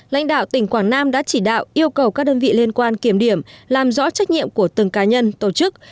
lãnh đạo tỉnh quảng nam đã chỉ đạo yêu cầu các đơn vị liên quan kiểm điểm làm rõ trách nhiệm của từng cá nhân tổ chức